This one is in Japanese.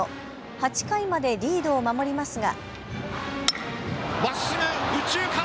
８回までリードを守りますが。